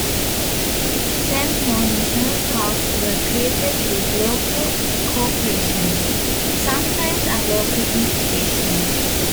Ten more national parks were created with local co-operation, sometimes at local instigation.